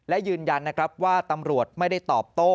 และยืนยันนะครับว่าตำรวจไม่ได้ตอบโต้